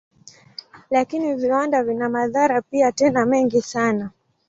Lakini viwanda vina madhara pia, tena mengi sana.